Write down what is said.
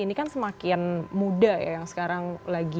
ini kan semakin muda ya yang sekarang lagi